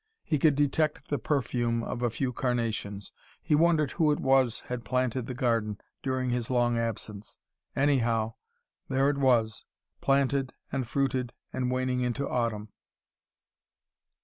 He could detect the perfume of a few carnations. He wondered who it was had planted the garden, during his long absence. Anyhow, there it was, planted and fruited and waning into autumn.